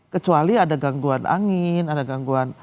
kecuali ada gangguan angin ada gangguan